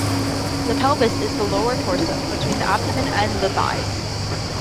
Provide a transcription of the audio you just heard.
The pelvis is the lower torso, between the abdomen and the thighs.